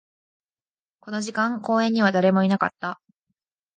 この時間、公園には誰もいなかった